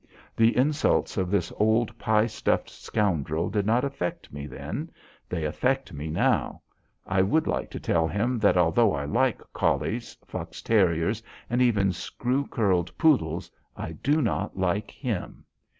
The insults of this old pie stuffed scoundrel did not affect me then; they affect me now. I would like to tell him that, although I like collies, fox terriers, and even screw curled poodles, I do not like him.